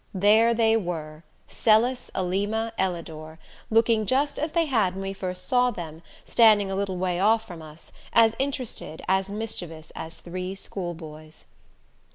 There they were Celis, Alima, Ellador looking just as they had when we first saw them, standing a little way off from us, as interested, as mischievous as three schoolboys.